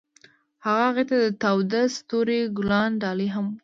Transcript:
هغه هغې ته د تاوده ستوري ګلان ډالۍ هم کړل.